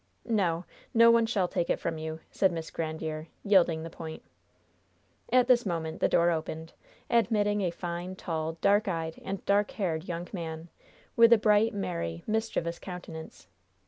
"No, no one shall take it from you," said Miss Grandiere, yielding the point. At this moment the door opened, admitting a fine, tall, dark eyed and dark haired young man, with a bright, merry, mischievous countenance.